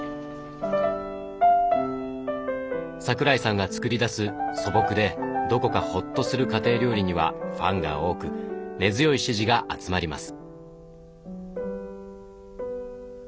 桜井さんが作り出す素朴でどこかホッとする家庭料理にはファンが多く根強い支持が集まります。